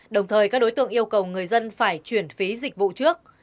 đồng thời các đối tượng yêu cầu người dân phải chuyển phí dịch vụ trước